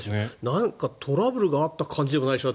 なんか、トラブルがあった感じでもないでしょ？